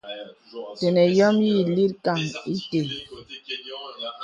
Tənə yɔ̄m yì lìkgaŋ ìtə.